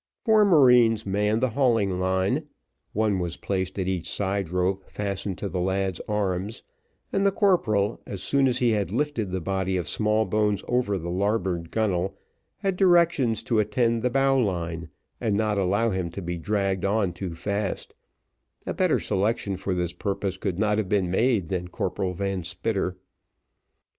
Four marines manned the hauling line, one was placed at each side rope fastened to the lad's arms, and the corporal, as soon as he had lifted the body of Smallbones over the larboard gunnel, had directions to attend the bow line, and not allow him to be dragged on too fast: a better selection for this purpose could not have been made than Corporal Van Spitter.